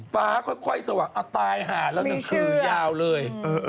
ฟ้าค่อยสวัสดิ์อ่ะตายหาแล้วนึงคือยาวเลย